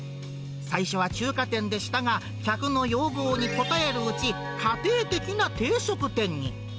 最初は中華店でしたが、客の要望に応えるうち、家庭的な定食店に。